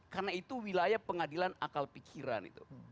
karena itu wilayah pengadilan akal pikiran